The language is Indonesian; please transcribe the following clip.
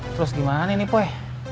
terus gimana nih poy